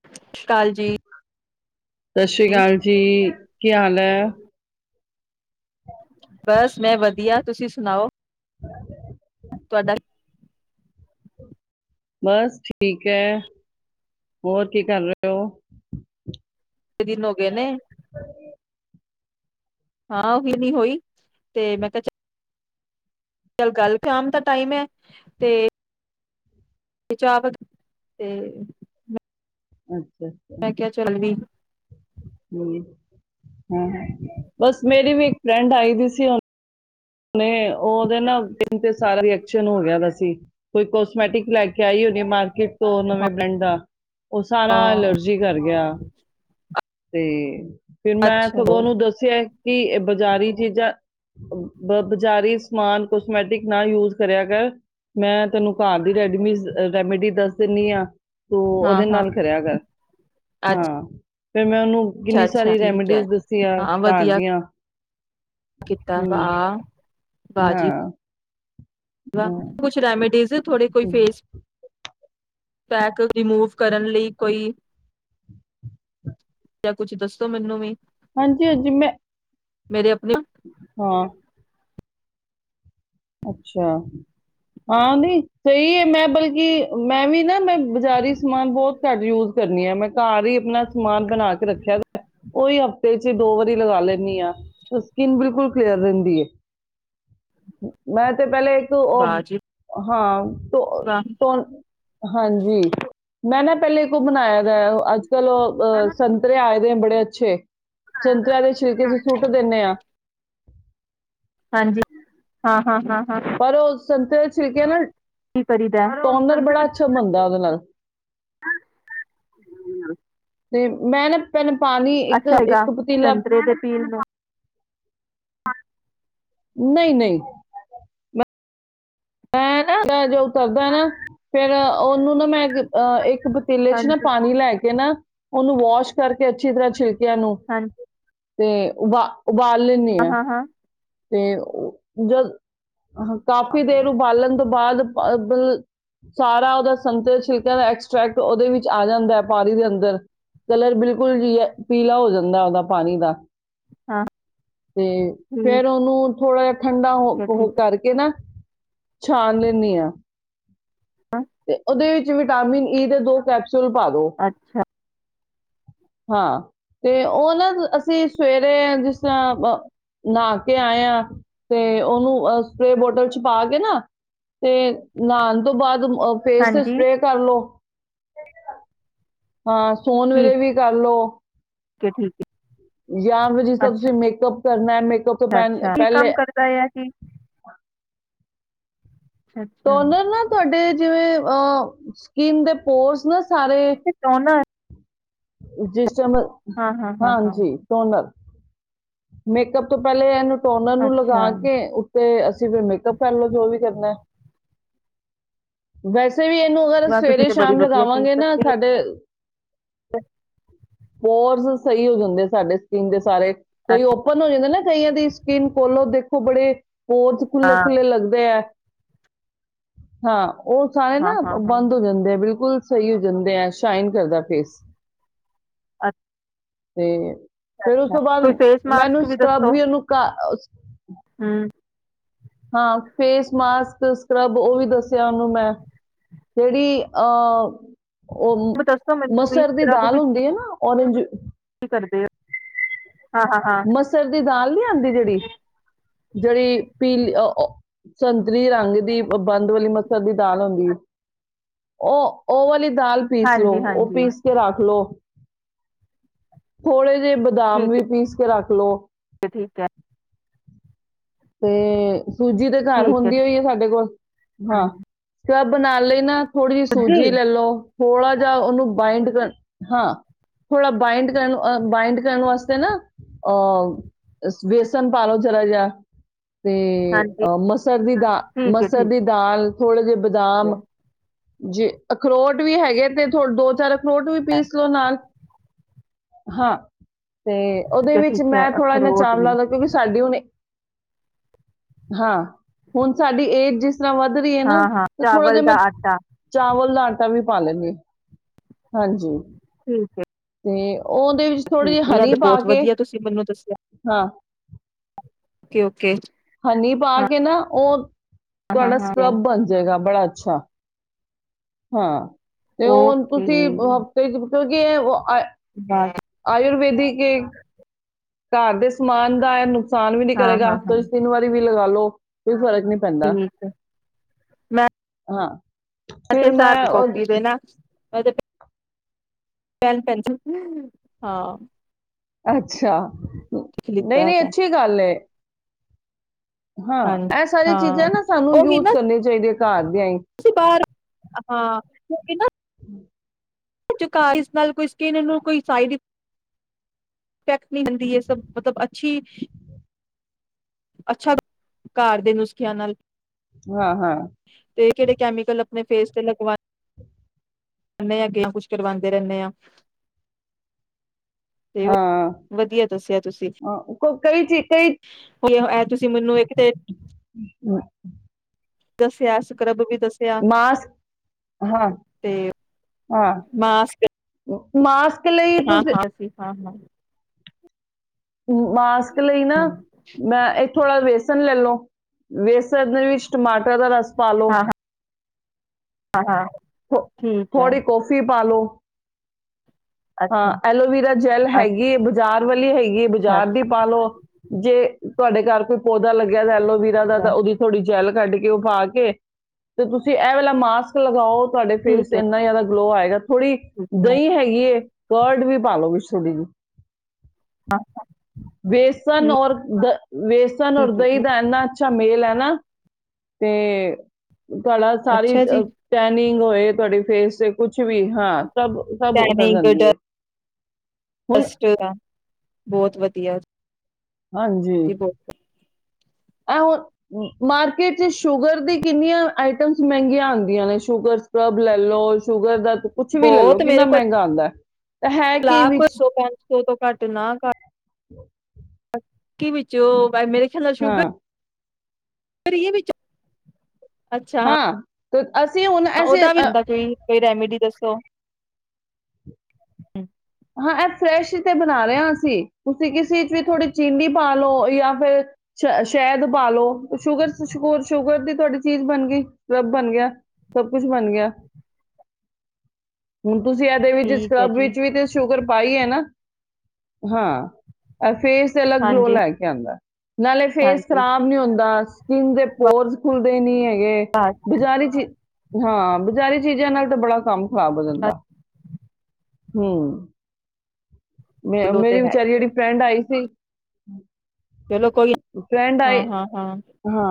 ਸਤਿ ਸ਼੍ਰੀ ਅਕਾਲ ਜੀ ਸਤਿ ਸ਼੍ਰੀ ਅਕਾਲ ਜੀ ਕੀ ਹਾਲ ਹੈ ਬਸ ਮੈਂ ਵਧੀਆ ਤੁਸੀਂ ਸੁਣਾਓ ਹਾਂ ਤੁਹਾਡਾ ਬਸ ਠੀਕ ਹੈ ਹੋਰ ਕੀ ਕਰ ਰਹੇ ਹੋ। ਕਿਨੇ ਦਿਨ ਹੋ ਗਏ ਨੇ, ਹਾਂ ਹਾਂ ਉ ਵੀ ਨਹੀਂ ਹੋਈ ਤੇ ਮੈਂ ਕਿਹਾ ਚ ਚੱਲ ਕੱਲ ਸ਼ਾਮ ਦਾ ਟਾਈਮ ਹੈ ਤੇ ਤੇ ਚਾਵ ਤੇ ਹਮ ਮੈਂ ਕਿਹਾ ਚੱਲ ਵੀ ਹ ਹ [unintelligible] ਬਸ ਮੇਰੀ ਵੀ ਇੱਕ ਫਰੈਂਡ ਆਈ ਦੀ ਸੀ ਹੁ ਨੇ [unintelligible] ਉਹਦੇ ਨਾ ਦਿਨ ਤੇ ਸਾਰਾ ਰਐਕਸ਼ਨ ਹੋ ਸੀ [unintelligible] ਕੋਈ ਕੋਸਮੈਟਿਕ ਲੈ ਕੇ ਆਈ ਹੋਣੀ ਮਾਰਕੀਟ ਤੋਂ ਹਾਂ ਨਵੇਂ ਬ੍ਰੈਂਡ ਦਾ ਉਹ ਸਾਰਾ ਐਲਰਜੀ ਕਰ ਗਿਆ। ਤੇ ਫਿਰ ਮੈਂ ਅੱਛਾ ਸਗੋਂ ਉਹਨੂੰ ਦੱਸਿਆ ਕਿ ਬਜ਼ਾਰੀ ਚੀਜ਼ਾਂ ਬ ਬਜ਼ਾਰੀ ਸਮਾਨ ਕੋਸਮੈਟਿਕ ਨਾ ਯੂਜ ਕਰਿਆ ਕਰ, ਮੈਂ ਤੁੈਨੂੰ ਘਰ ਦੀ ਰੈਡਮੀਸ ਰੈਮੇਡੀ ਦੱਸ ਦਿੰਦੀ ਆਂ। ਤੂੰ ਹਾਂ ਉਹਦੇ ਹਾਂ ਨਾਲ ਕਰੇਯਾ ਕਰ। ਅੱਛਾ ਹਾਂ ਫਿਰ ਮੈਂ ਉਹਨੂੰ ਕਿੰਨੀ ਅੱਛਾ ਸਾਰੀ ਠੀਕ ਹੈ ਰੈਮਡੀਜ਼ ਦੱਸੀਆਂ ਹਾਂ ਘਰ ਵਧੀਆ ਦੀਆਂ। ਕੀਤਾ ਹਮ ਵਾਹ ਬਾਜੀ ਹਾਂ [unintelligible] ਹਮ, ਕੁਛ ਰੈਮਡੀਜ਼ ਥੋੜੇ ਕੋਈ ਫੇਸ ਪੈਕ ਰਿਮੂਵ ਕਰਨ ਲਈ, ਕੋਈ ਜਾਂ ਕੁਛ ਦੱਸੋ ਮੈਨੂੰ ਵੀ ਹਾਂਜੀ ਹਾਂਜੀ ਮੈਂ ਮੇਰੇ ਅਪ ਹਮ [inaudible] ਹਾਂ ਅਛਾ ਹਾਂ ਨਹੀਂ ਸਹੀ ਹੈ ਮੈਂ ਬਲਕਿ ਮੈਂ ਵੀ ਨਾ ਮੈਂ ਬਜ਼ਾਰੀ ਸਮਾਨ ਬਹੁਤ ਘੱਟ ਯੂਜ ਕਰਨੀ ਆ, ਮੈਂ ਘਰ ਹੀ ਆਪਣਾ ਸਮਾਨ ਬਣਾ ਕੇ ਰੱਖਿਆ। ਓਹੀ ਹਫ਼ਤੇ ਚ ਦੋ ਵਾਰੀ ਲਗਾ ਲੈਦੀ ਹ, ਸਕਿਨ ਬਿਲਕੁਲ ਕਲੀਅਰ ਰਹਿੰਦੀ ਹੈ। ਮੈਂ ਤੇ ਪਹਿਲੇ [unintelligible] ਵਾਹ ਉਹ ਜੀ ਹਾਂ ੋ ਵਾਹ [unintelligible] ਹਾਂਜੀ ਮੈਂ ਨਾ ਪਹਲੇ [unintelligible] ਬਨਾਯਾ ਦਾ ਹੈ, ਅੱਜ ਕੱਲ ਉਹ ਹ ਸੰਤਰੇ ਆਏ ਦੇ ਬੜੇ ਅਛ ਛੇ ਸੰਤਰਿਆਂ ਦੇ ਛਿਲਕੇ ਚ ਸੁੱਟ ਦਿੰਨੇ ਆ। ਹਾਂਜੀ ਹਾਂ ਹਾਂ ਹਾਂ। ਹਾਂ ਪਰ ਉਹ ਉਸ ਸੰਤ ਠੀਕ ਹੈ ਨਾ ਕੀ ਕਰੀਦਾ ਟੋਨਰ ਬੜਾ ਅੱਛਾ ਬਣਦੈ ਉਹਦੇ ਨਾਲ, ਤੇ ਮੈਂ ਨਾ ਪੇਂ ਅੱਛਾ ਹੈਗਾ ਸੰਤਰੇ ਦੇ ਪੀਲ ਨੂੰ [inaudible] ਹ [unintelligible] [inaudible] ਨਹੀਂ ਨਹੀਂ ਮੈਂ ਮੈਂ ਨਾ ਜੋ ਕਰਦਾ ਨਾ ਫੇਰ ਉਹਨੂੰ ਨਾ ਮੈਂ ਅਹ ਇੱਕ ਪਤੀਲੇ ਚ ਨਾ ਹਾਂਜੀ ਪਾਣੀ ਲੈ ਕੇ ਨਾ ਉਹਨੂੰ ਵਾਸ਼ ਕਰਕੇ ਅੱਛੀ ਤਰ੍ਹਾਂ ਛਿੱਲ ਪਿਆ ਨੂੰ [unintelligible] ਹਾਂਜੀ ਤੇ ਉਬਾ ਉਬਾਲ ਲੈਂਨੇ ਹਾਂ ਆਂ। ਹਾਂ ਹਾਂ ਤੇ ਜਲ ਹ ਕਾਫੀ ਦੇਰ ਉਬਾਲਣ ਤੋਂ ਬਾਅਦ ਸਾਰਾ ਉਹਦਾ ਸੰਤਰੇ ਦੇ ਛਿਲਕਿਆਂ ਦਾ ਐਕਸਟ੍ਰੈਕਟ ਉਹਦੇ ਵਿੱਚ ਆ ਜਾਂਦਾ ਹੈ ਪਾਣੀ ਦੇ ਅੰਦਰ ਕਲਰ ਬਿਲਕੁਲ ਜਿਹਾ ਪੀਲਾ ਹੋ ਜਾਂਦਾ ਉਹਦਾ ਪਾਣੀ ਦਾ ਦਾ। ਹਾਂ ਤੇ ਫੇਰ ਠੀਕ ਉਹਨੂੰ ਥੋੜ੍ਹਾ ਠੰਡਾ ਹੈ ਹੋ ਠੀਕ ਕਰਕੇ ਨਾ ਛਾਣ ਲੈਂਨੀ ਆਂ। ਹੈ ਤੇ ਉਹਦੇ ਵਿੱਚ ਵਿਟਾਮਿਨ ਈ ਦੇ ਦੋ ਕੈਪਸੂਲ ਸਲ ਪਾ ਦੋ। ਅੱਛਾ ਹਾਂ ਤੇ ਉਹ ਨਾ ਅਸੀਂ ਸਵੇਰੇ ਜਿਸ ਤਰਾਂ ਨਹਾ ਕੇ ਆਏ ਆਂ ਤੇ ਉਹਨੂੰ ਸਪਰੇ ਬੋਤਲ ਚ ਪਾ ਕੇ ਨਾ ਤੇ ਨਹਾਣ ਤੋਂ ਬਾਅਦ ਫੇਸ ਤੇ ਹਾਂਜੀ ਸਪਰੇ ਕਰ ਲੋ। ਹਾਂ ਸੋਨ ਵੇਲੇ ਠੀਕ ਵੀ ਲੋ ਹੈ ਠੀਕ ਯਾ ਵ ਜੀ ਹੈ ਸਭਸੀ ਅੱਛਾ ਮੇਕਅਪ ਕਰਨਾ ਮੇ - ਅੱਛਾ ਕੀ ਕੰਮ ਕਰਦਾ ਹੈ ਅਸੀ ਟੋਨਰ ਅੱਛਾ ਨਾ ਤੁਹਾਡੇ ਜਿਵੇਂ ਅ ਸਕਿਨ ਦੇ ਪੋਰਸ ਨ ਦੋਨਾਂ ਜਿਸ ਚਮਲ ਹਾਂ ਹਾਂਜੀ ਸੋ ਨਾਲ ਮੇਕਅੱਪ ਤੋਂ ਪਹਿਲੇ ਇਹਨੂੰ ਟੋਨਰ ਨੂੰ ਲਗਾ ਅੱਛਾ ਕੇ ਤੇ ਅਸੀਂ ਫਿਰ ਮੇਕਅੱਪ ਕਰਲਓ ਜੋ ਵੀ ਕਰਨਾ ਵੈਸੇ ਅੇ ਵੀ ਇਹਨੂੰ ਅਗਰ ਵਾਹ ਤੁਸੀਂ ਸਵੇਰੇ ਤੇ ਬੜੀ ਸ਼ਾਮ ਲਗਾਵਾਂਗੇ ਨਾ ਸਾਡੇ ਅ ਹੋਰਸ ਸਹੀ ਹੋ ਜਾਂਦੇ ਸਾਡੇ ਸਕੀਨ ਦੇ ਸਾਰੇ ਕਈ ਅੱਛਾ ਓਪਨ ਹੋ ਜਾਂਦੇ ਨੇ ਕਾਇਆ ਦੀ ਸਕੀਨ ਖੋਲੋ ਦੇਖੋ ਬੜੇ ਬੋਤ ਖੁੱਲ੍ਹੇ ਖੁੱਲ੍ਹੇ ਲੱਗਦੇ ਹੈ ਹਾਂ ਉਹ ਸਾਰੇ ਹਾਂ ਨਾ ਹਾਂ ਹਾਂ ਬੰਦ ਹੋ ਜਾਂਦੇ ਆ ਬਿਲਕੁਲ ਸਹੀ ਹੋ ਜਾਂਦੇ ਆ ਸ਼ਾਈਨ ਕਰਦਾ ਫੇਸ ਅੱ ਤੇ ਫੇਿਰ ਉਸ ਤੋਂ ਬਾਅਦ ਫੇਸ ਮਾਸਕ ਮੈਨੂੰ ਸਕ੍ਰਬ ਵੀ ਉਹਨੂੰ ਹਮ ਹਾਂ ਫੇਸ ਮਾਸਕ ਸਕਰੱਬ ਉਹ ਵੀ ਦੱਸਿਆ ਉਹਨੂੰ ਮੈਂ ਜਿਹੜੀ ਅਹ ਉਹ ਦੱਸੋ ਮੈਨੂੰ ਵੀ ਮਸਰ ਦੀ ਸਕ੍ਰਬ ਦਾਲ ਵਿੱਚ ਕੀ ਹੁੰਦੀ ਹੈ ਨਾ ਔਰੇਜ ਕੀ ਕਰਦੇ ਆ ਮਸਰ ਦੀ ਦਾਲ ਨਹੀਂੀ ਆਉਂਦੀ ਜਿਹੜੀ ਜਿਹੜੀ ਪੀਲੀ ਸੰਤਰੀ ਰੰਗ ਦੀ ਬੰਦ ਵਾਲੀ ਮਛਰ ਦੀ ਦਾਲ ਹੁੰਦੀ ਹੈ ਉਹ ਉਹ ਦਾਲ ਪੀਸ ਲੋ ਹਾਂਜੀ ਉਹ ਹਾਂਜੀ ਪੀਸ ਕੇ ਰੱਖ ਲੋ ਹੋਲੇ ਬਦਾਮ ਠੀਕ ਵੀ ਪੀਸ ਰੱਖ ਲਓ ਠੀਕ ਹੈ ਤੇ ਸੂਜੀ ਦੇ ਘਰ ਹੁੰਦੀ ਹੋਈ ਹੈ ਸਾਡੇ ਕੋਲ ਹਾਂ ਹੂੰ ਜੋ ਬਣਾ ਲਏ ਨਾ ਥੋੜੀ ਜਿਹੀ ਸੂਜੀ ਸੁੱਜੀ ਲੈ ਲੋ ਥੋੜਾ ਜਿਹਾ ਉਹਨੂੰ ਬਾਈੰਡ ਹਾਂ ਥੋੜ੍ਹਾ ਬਾਈੰਡ ਕਰਨ ਅ ਬਾਈੰਡ ਕਰਨ ਵਾਸਤੇ ਨਾ ਅਹ ਵੇਸਨ ਪਾ ਲਓ ਜਰਾ ਜਿਹਾ ਤੇ ਹਾਂਜੀ ਅਹ ਮਸਰ ਦੀ ਦਾਲ ਠੀਕ ਹੈ ਮਸਰ ਠੀਕ ਦੀ ਦਾਲ ਹੋ ਦੇ ਹੈ ਬਦਾਮ ਜੀ ਅਖਰੋਟ ਵੀ ਹੈਗੇ ਤੇ ਥੋ ਦੋ ਚਾਰ ਅਰੋਟ ਵੀ ਪੀਸ ਲਓ ਨਾਲ ਹਾਂ ਤੇ ਠੀਕ ਉਹਦੇ ਹੈ ਵਿੱਚ ਠੀਕ ਹੈ ਮੈਂ ਥੋੜ੍ਹਾ ਇ ਅਖਰੋਟ ਚਾਣ ਵੀ ਲਾਦਾ ਕਿਉਂਕਿ ਸਾਡੀ ਹੁਣ ਹਾਂ ਹੁਣ ਸਾਡੀ ਏਜ ਜਿਸ ਜ ਤਰ੍ਹਾਂ ਵੱਧ ਰਹੀ ਹੈ ਹਾਂ ਨਾ ਹਾਂ ਤੇ ਥੋੜਾ ਜਿਹਾ ਚਾਵਲ ਦਾ ਮੈਂ ਆਟਾ ਚਾਵਲ ਲਾ ਟ ਵੀ ਪਾ ਲੈਣੀ ਹਾਂਜੀ ਠੀਕ ਹੈ ਅਤੇ ਉਹਦੇ ਵਿੱਚ ਥੋੜ੍ਹੀ ਠੀਕ ਜਿਹੀ ਹੈ ਇਹ ਹਨੀ ਤੇ ਪਾ ਬਹੁਤ ਕੇ ਵਧੀਆ ਤੁਸੀਂ ਮੈਨੂੰ ਦੱਸਿਆ ਹਾਂ ਓਕੇ ਓਕੇ ਹਨੀ ਪਾ ਹਾਂ ਕੇ ਨਾ ਉਹ ਹਾਂ ਤੁਹਾਡਾ ਹਾਂ ਸਕਲੱਬ ਬਣ ਜਾਏਗਾ ਬੜਾ ਅੱਛਾ ਹਾਂ ਤੇ ਹੁ ਓਕੇ ਤੁਸੀਂ ਹਫ਼ਤੇ ਚ ਕਿਉਂਿ ਆ ਬਸ ਆਯੁਰਵੇਦਿਕ ਘਰ ਦੇ ਸਮਾਨ ਦਾ ਨੁਕਸਾਨ ਵੀ ਨੀ ਹਾਂ ਕਰੇਗਾ ਹਾਂ ਹਾਂ ਹਫ਼ ਤਿੰਨ ਵਾਰੀ ਵੀ ਲਗਾਾਲੋ ਇਹ ਫਰਕ ਨੀ ਪੈਂਦਾ ਠੀਕ ਹੈ ਮੈਂ ਹਾਂ ਫਿਰ ਮੈਂ ਉਹ ਪੈ ਹਾਂ ਅੱਛਾ ਲਿਖ ਲਿੱਤਾ ਨਹੀਂ ਨਹੀਂ ਹੈਗਾ ਅੱਛੀ ਗੱਲ ਹਾਂ ਹਾਂਜੀ ਇਹ ਸਾਰੀ ਚੀਜ਼ਾਂ ਨਾ ਸਾਨੂੰ ਯੂਜ ਕਰਨੇ ਚਾਹੀਦੇ ਘਰ ਦੀਆਂ ਹੀ ਤੁਸੀ ਬਾਹਰ ਹਾਂ ਕਿਉਕਿ ਨਾ [unintelligible] ਨਾਲ ਕੋਈ ਸਕਿਨ ਨੂੰ ਕੋਈ ਸਾਈਡ ਫੇ [unintelligible] ਇਹ ਸਭ ਮਤਲਬ ਅੱਛੀ ਅੱਛਾ ਘਰ ਦੇ ਨੁਸਖਿਆਂ ਨਾਲ। ਹਾਂ ਹਾਂ ਤੇ ਕਿਹੜੇ ਕੈਮੀਕਲ ਆਪਣੇ ਫੇਸ ਤੇ ਲਗਵਾ [unintelligible] ਯਾ ਕੁਛ ਕਰਵਾਉਂਦੇ ਰੈਣੇ ਆ। ਤੇ ਉਹ ਹਾਂ ਵਧੀਆ ਦੱਸਿਆ ਤੁਸੀਂ ਕ ਕਈ-ਚੀਜ਼ ਕਈ ਇਹ ਤੁਸੀਂ ਮੈਨੂੰ ਇੱਕ ਤੇ [unintelligible] ਹ [unintelligible] ਦੱਸਿਆ ਸਕਰੱਬ ਚ ਮਾਸਕ ਹਾਂ ਤੇ ਹਾਂ। ਮਾਸਕ ਲਈ ਤੁਸੀਂ ਹਾਂ-ਹਾਂ ਅਸੀ ਹਾਂ-ਹਾਂ। ਮਾਸ ਕ ਲਈ ਨਾ ਹਮ ਮੈਂ ਏ ਥੋੜਾ ਵੇਸ ਨ ਲੇਲੋ, ਵੇਸਨ ਦੇ ਵਿਚ ਟਮਾਟਰ ਦਾ ਰਸ ਪਾ ਲੋ, ਹਾਂ ਹਾਂ ਹਾਂ ਠੀਕ ਹੈ ਥੋ-ਥੋੜ੍ਹੀ ਕੋਫੀ ਪਾ ਲੋ ਹਾਂ ਅੱਛਾ ਐਲੋਵਰਾ ਜੈਲ ਹੈਗੀ ਏ ਬਾਜ਼ਾਰ ਵਾਲੀ ਹੈ ਅੱਛਾ ਬਾਜ਼ਾਰ ਦੀ ਪਾਲੋ ਜੇ ਤੁਹਾਡੇ ਘਰ ਕੋਈ ਪੌਦਾ ਲੱਗਿਆ ਐਲੋ ਵੀਰਾ ਦਾ ਅੱਛਾ ਤਾਂ ਉਹਦੀ ਥੋੜ੍ਹੀ ਜੈੱਲ ਕੱਢ ਕੇ ਉਹ ਪਾ ਕੇ ਤੇ ਤੁਸੀਂ ਇਹ ਵੇਲਾ ਮਾਸਕ ਲਗਾਓ ਤੁਹਾਡੇ ਫੇਸ ਚ ਠੀਕ ਹੈ ਇਨ੍ਹਾਂ ਜ਼ਿਆਦਾ ਗਲੋ ਆਇ ਥੋੜੀ ਠੀਕ ਹੈ ਦਹੀਂ ਹੈਗੀ ਏ ਕੁਰਡ ਵੀ ਪਾ ਲੋ ਵਿਚ। [unintelligible] ਹਾਂ ਵੇਸਣ ਔਰ ਦ ਵੇਸਣ ਔਰ ਠੀਕ ਹੈ ਦਹੀਂ ਜੀ ਦਾ ਇੰਨਾ ਅਚ ਅੱਛਾ ਮੇਲ ਹੈ ਨਾ ਤੇ ਤੁਹਾਡਾ ਸਾਰੀ ਅੱਛਾ ਜੀ ਅ-ਟੈਂਨਿੰਗ ਹੋਏ ਤੁਹਾਡੀ ਫੇਸ ਤੇ ਕੁੱ ਕੁਛ ਵੀ ਹਾਂ ਸਭ ਸਭ ਉਤਰ ਜਾਂਦੀ ਏ। ਅਸਟ [unintelligible] ਬਹੁਤ ਵਧੀਆ ਹਾਂਜੀ ਜੀ ਬਹੁਤ ਹੁਣ ਮਾਰਕੀਟ ਚ ਸ਼ੂਗਰ ਦੀ ਕਿੰਨੀਆਂ ਆਈਟਮਸ ਮਹਿੰਗੀਆਂ ਆਉਂਦੀਆਂ ਨੇ ਸ਼ੂਗਰ ਸਕਰੱਬ ਲੈ ਲਓ ਸ਼ੂਗਰ ਦਾ ਕੁੱਛ ਵੀ ਲੈਲੋ ਕਿੰਨਾ ਮਹਿੰਗਾ ਆਉਂਦਾ ਹੈ ਤਾਂ ਕੀ ਸਲਾ ਕੁ ਵਿੱਚ ਸੌ ਪੰਜ ਸੌ ਤੋਂ ਘੱਟ ਨਾ ਘ ੱਕੀ ਵਿੱਚ ਉਹ ਭਾਈ ਮੇਰੇ ਖਿਆਲ ਨਾਲ ਸ਼ੂਗਰ ਹਾਂ ਪਰਏ ਵਿੱਚ ਅੱਛਾ ਹਾਂ ਤੇ ਅਸੀਂ ਹੁਣ ਐਸੇ ਉਹਦਾ ਵੀ ਅ, ਹਦਾ ਕੋਈ ਕੋਈ ਰੈਮੀੇਡੀ ਦੱਸ ਹਮ ਹਾਂ ਇਹ ਫਰੈਸ਼ ਤੇ ਬਣਾ ਰਹੇਹਾ ਅਸੀਂ ਤੁਸੀਂ ਕਿਸੇ ਚ ਵੀ ਥੋੜੀ ਚੀਨੀ ਪਾ ਲਓ ਜਾਂ ਫਿਰ ਸ਼ ਸ਼ਾਇਦ ਪਾ ਲੋ ਸ਼ੂਗਰ ਸ਼ਰ ਸ਼ੂਗਰ ਦੀ ਤੁਹਾਡੀ ਚੀਜ਼ ਬਣ ਗਈ ਸਬ ਬਣ ਗਿਆ ਸਭ ਕੁਛ ਬਣ ਗਿਆ ਹੁਣ ਤੁਸੀਂ ਇਹਦੇ ਵਿੱਚ ਠੀਕ ਹੈ ਸਕਰਬ ਜੀ ਵਿੱਚ ਵੀ ਤੇ ਸ਼ੂਗਰ ਪਾਈ ਹੈ ਨਾ ਹਾਂ ਫੇਸ ਤੇ ਅਲੱਗ ਗਲੋ ਹਾਂਜੀ ਲੈ ਕੇ ਆਉਂਦਾ ਨਾਲੇ ਫੇਸ ਹਾਂਜੀ ਖ਼ਰਾਬ ਨੀ ਹੁੰਦਾ ਸਕਿੰਨ ਦੇ ਪੋਰਸ ਖੁੱਲਦੇ ਨੀ ਹੈਗੇ ਬਜ਼ਾਰੀ ਚ ਹਾਂ ਬਜ਼ਾਰੀ ਚੀਜ਼ਾਂ ਨਾਲ ਤਾਂ ਬੜਾ ਕੰਮ ਖ਼ਰਾਬ ਹੋ ਜਾਂਦਾ ਹਮ ਮੈਂ ਚਲੋ ਮੇਰੀ ਤੇ ਹੈ ਵਿਚਾਰੀ ਹੀ ਜਿਹੜੀ ਫਰੈਂਡ ਆਈ ਸੀ ਹਮ ਚਲੋ ਕੋਈ ਹਾਂ ਹਾਂ ਹਾਂ ਹਾਂ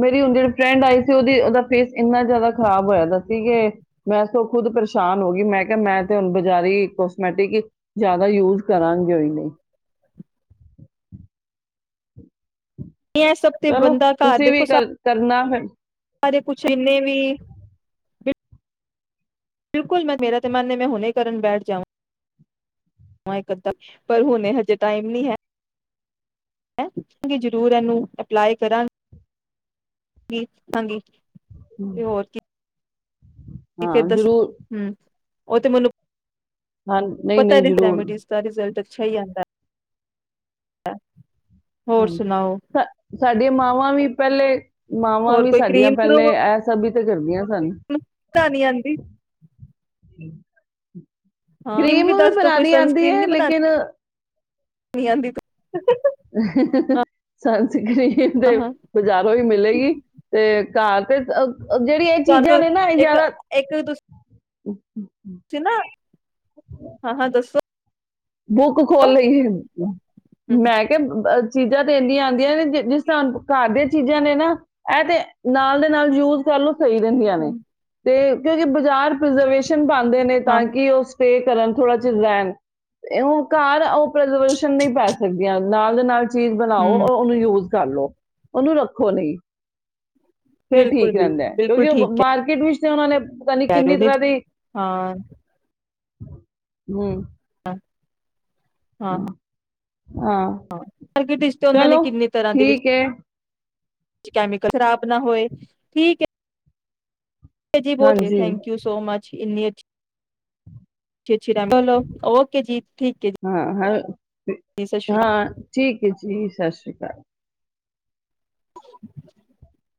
ਮੇਰੀ ਹੁ ਜਿਹੜ ਫਰੈਂਡ ਆਈ ਸੀ ਓਦੀ ਓਦਾ ਫੇਸ ਇੰਨਾ ਮੇਰੀ ਹੁਣ ਜਿਹੜੀ ਫਰੈਡ ਆਈ ਸੀ ਓਹਦਾ ਫੇਸ ਏਨਾਜਿਆਦਾ ਖ਼ਰਾਬ ਹੋਇਆ ਸੀ ਕਿ ਮੈਂ ਉਸ ਤੋ ਖੁਦ ਪਰੇਸ਼ਾਨ ਹੋ ਗਈ ਮੈਂ ਕਿਹਾ ਮੈਂ ਤੇ ਹੁਣ ਬਜ਼ਾਰੀ ਕੋਸਮੈਟਿਕ ਜਿਆਦਾ ਯੂਜ ਕਰਾਂਗੇ ਨਹੀਂ ਇਹ ਸਭ ਤੇ ਚਲੋ ਤੁਸੀਂ ਵੀ ਕਰ ਕਰਨਾ ਫਿਰ ਹ ਬਾਰੇ ਕੁਛ ਇੰਨੇ ਵੀ ਬਿਲਕੁਲ ਮੈਂ ਮੇਰਾ ਤੇ ਮਨ ਮੈਂ ਹੁਣੇ ਕਰਨ ਬੈਠ ਜਾਵਾਂ ਅ ਪਰ ਇਕ ਹੁਣੇ ਹਜੇ ਟਾਈਮ ਨ ਹੈ ਕਰਾ ਗੀ ਜ਼ਰੂਰ ਇਹਨੂੰ ਅਪਲਾਈ ਕਰਾ ਗਿ ਹਾਂਜੀ ਤੇ ਹੋਰ ਕੀ ਫਿਰ ਹਾਂ ਦੱਸ ਜ਼ਰੂਰ ਹਮ ਉਹ ਤੇ ਮੈਨੂੰ ਹਾਂ ਨਹੀਂ ਪਤਾ ਨਹੀਂ ਜ਼ਰੂਰ ਰੈਮਡੀਜ਼ ਦਾ ਰਿਜ਼ਲਟ ਅੱਛਾ ਹੀ ਜਾਂਦਾ ਹਾਂ ਸਾਡੇ ਮਾਵਾਂ ਵੀ ਪਹਿਲੇ ਮਾਵਾਂ ਹੋਰ ਵੀ ਸਾਡੀਆਂ ਪਹਿਲੇ ਇਹ ਸਭ [inaudible] ਕਹਾਣੀ ਆਉਂਦੀ? ਹੂੰ ਕਰੀਮ ਵੀ ਦੱਸ ਦੋ ਕੋਈ ਬਣਾਉਣੀ ਆਉਂਦੀ ਸਨਸਕ੍ਰੀਨ ਨੀ ਹੈ। ਬਣਾਣੀ ਲੇਕਿਨ [inaudible] ਹਾਂ ਸੰਸਕਰੀਨ ਤੇ ਹਾਂ ਬਾਜ਼ਾਰੋਂ ਹੀ ਮਿਲੇਗੀ ਤੁਹਾਨੂੰ ਤੇ ਘਰ ਤੇ ਜਿਹੜੀਆਂ ਇਹ ਚੀਜ਼ਾਂ ਨੇ ਨਾ ਇਹ ਇੱਕ ਜਿਆਦਾ ਇੱਕ ਤੁਸੀਂ ਹੂੰ [unintelligible] ਨਾ ਹਾਂ ਹਾਂ ਦੱਸੋ ਬੁੱਕ ਖੋਲ ਲਈ ਹੁਣ ਤੂੰ, ਮੈਂ ਕਿਹਾ ਚੀਜਾਂ ਤੇ ਇਨੀ ਆਉਂਦੀਆਂ ਨੇ, ਜਿਸ ਤਰਾਂ ਘਰ ਦੀਆਂ ਚੀਜ਼ਾਂ ਨੇ ਨਾ, ਇਹਤੇ ਨਾਲ ਦੇ ਨਾਲ ਯੂਜ ਕਰ ਲਓ। ਸਹੀ ਰਹਿੰਦੀਆਂ ਨੇ, ਤੇ ਕਿਉਂ, ਬਾਜ਼ਾਰ ਪ੍ਰਿਜ਼ਰਵੇਸ਼ਨ ਢੰਗ ਨੇਈ ਨੇਈ, ਹਾਂ ਤਾਂ ਹੂੰ ਕਿ ਉਹ ਸਟੇਅ ਕਰਨ ਥੋੜਾ 'ਚ'ਰੈਣ ਉਹ ਘਰ ੳ ਪ੍ਰੀਜ਼ਰਵੇਸ਼ਨ ਨਹੀਂ ਪੈ ਸਕਦੀਆਂ। ਨਾਲ ਦੇ ਨਾਲ ਚੀਜ਼ ਬਣਾਓ ਔਰ ਉਹਨੂੰ ਯੂਜ ਕਰ ਲੋ। ਉਹਨੂੰ ਰੱਖੋ ਨਹੀਂ। ਫਿਰ ਬਿਲਕੁਲ ਠੀਕ ਰਹਿੰਦਾ ਬਿਲਕੁਲ ਹੈ। ਬਿਲਕੁਲ ਕਿਉਂਕਿ ਠੀਕ ਉਹ ਮਾਰਕੀਟ ਵਿੱਚ ਤੇ'ਉਹਨਾ ਨੇ ਪਤਾ ਨੀ ਕਹਿ ਕਿੰਨੀ ਰਹੇ ਹੋ ਤਰਾ ਦੀ ਹਾਂ ਹੂੰ ਹਾਂ ਹਾਂ ਹੂੰ ਹਾਂ, ਮਾਰਕੀਟ ਵਿੱਚ ਤੇ ਚਲੋ ਠੀਕ ਹੈ। ਕੀ, ਕੈਮੀਕਲ ਖਰਾਬ ਨਾ ਹੋਏ? ਠੀਕ ਹੈ। ਜੀ, ਬਹੁਤ ਏ ਹਾਂਜੀ ਥੈਂਕ ਯੂ ਸੋ ਮਚ ਕਿੰਨੇ 'ਚ' ਵਿੱਚ ਰਹਿੰਦੇ ਨੇ, ਓਕੇ ਜੀ ਠੀਕ ਐਂ ਜੀ। ਹਾਂ ਹਾਂ ਸਤਿ ਸ਼੍ਰੀ ਅਕਾਲ। ਹਾਂ, ਠੀਕ ਹੈ ਜੀ ਸਤਿ ਸ਼੍ਰੀ ਅਕਾਲ। ਹ [unintelligible]